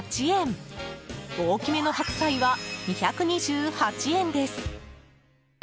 大きめの白菜は２２８円です。